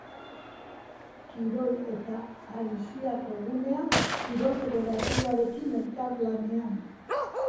Kirol eta aisiako gunea, kirol-federazioekin elkarlanean.